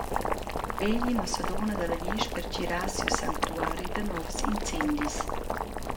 Vegli Nossadunna dalla Glisch pertgirar siu sanctuari da novs incendis.